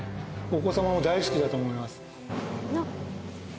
お子様も大好きだと思います。